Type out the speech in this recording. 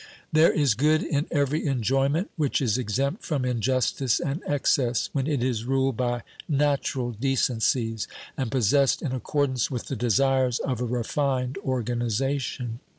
There is good in every enjoyment which is exempt from injustice and excess, when it is ruled by natural decencies and possessed in accordance with the desires of a refined organisation.